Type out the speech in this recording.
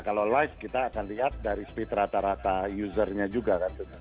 kalau live kita akan lihat dari speed rata rata usernya juga